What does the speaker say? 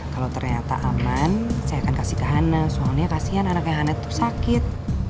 kalau ternyata aman saya akan kasih ke hana soalnya kasian anaknya hana tuh sakit